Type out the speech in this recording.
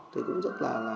thì cũng rất là